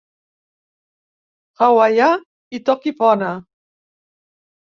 Hawaià i Toki Pona.